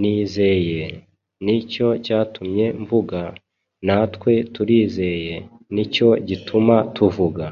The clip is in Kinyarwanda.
Nizeye, ni cyo cyatumye mvuga’, natwe turizeye nicyo gituma tuvuga.”